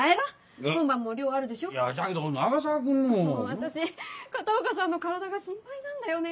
私片岡さんの体が心配なんだよねぇ。